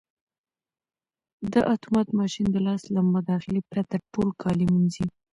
دا اتومات ماشین د لاس له مداخلې پرته ټول کالي مینځي.